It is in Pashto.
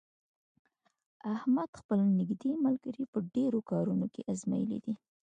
احمد خپل نېږدې ملګري په ډېرو کارونو کې ازمېیلي دي.